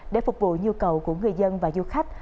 để phục vụ nhu cầu của người dân và du khách